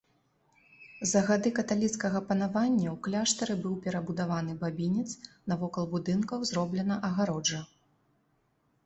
За гады каталіцкага панавання ў кляштары быў перабудаваны бабінец, навокал будынкаў зроблена агароджа.